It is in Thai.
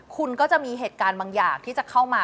คุณก็จะมีเหตุการณ์บางอย่างที่จะเข้ามา